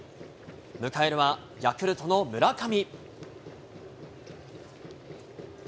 迎えるはヤクルトの村上。